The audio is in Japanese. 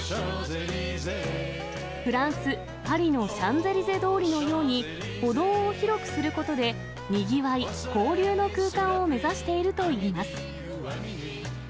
フランス・パリのシャンゼリゼ通りのように、歩道を広くすることで、にぎわい・交流の空間を目指しているといいます。